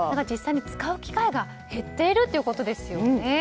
実際に使う機会が減っているということですよね。